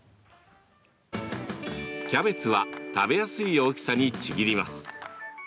キャベツは食べやすい大きさにちぎります。